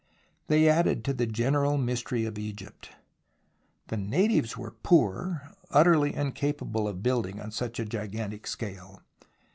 They added to the general mystery of Egypt. The natives were poor, utterly incapable of build ing on such a gigantic scale.